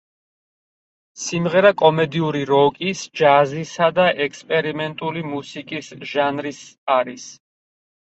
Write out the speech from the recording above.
სიმღერა კომედიური როკის, ჯაზისა და ექსპერიმენტული მუსიკის ჟანრის არის.